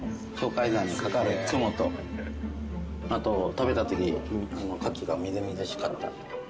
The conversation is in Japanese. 食べた時カキがみずみずしかったので。